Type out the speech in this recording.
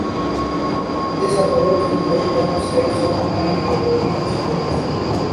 This approach is based on sets of non-negativity constraints.